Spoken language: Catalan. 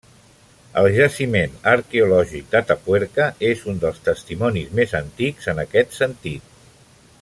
El Jaciment arqueològic d'Atapuerca és un dels testimonis més antics en aquest sentit.